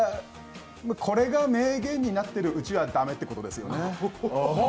これが名言になってるうちは駄目ってことですよね。